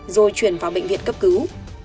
rồi chuyển vào bệnh viện cấp cứu